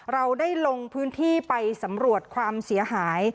เราได้ลงพื้นที่ไปสำรวจความเสียหาย